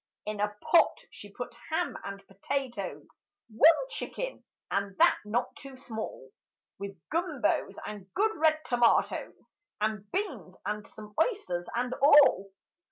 In a pot she put ham and potatoes, One chicken, and that not too small; With gumbos and good red tomatoes, And beans and some oysters and all.